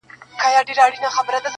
په ځنګله کي د ځنګله قانون چلېږي!